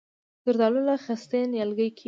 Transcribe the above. د زردالو له خستې نیالګی کیږي؟